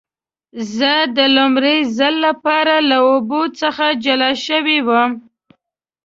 زه د لومړي ځل لپاره له اوبو څخه جلا شوی وم.